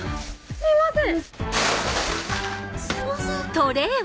すいません。